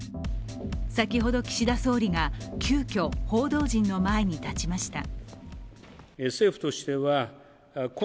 先ほど岸田総理が急きょ、報道陣の前に立ちました。